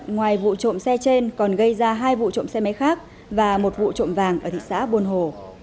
ngoài vụ trộm xe trên còn gây ra hai vụ trộm xe máy khác và một vụ trộm vàng ở thị xã buôn hồ